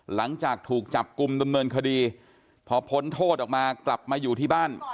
หลังจากถูกจับกลุ่มดำเนินคดีพอพ้นโทษออกมากลับมาอยู่ที่บ้าน